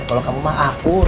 kalau kamu mah akur